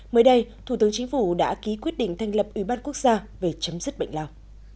mới đây thủ tướng chính phủ đã ký quyết định thanh lập ủy ban quốc gia về chấm dứt bệnh lao